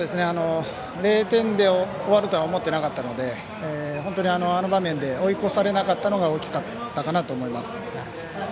０点で終わるとは思っていなかったのであの場面で追い越されなかったのが大きかったかなと思います。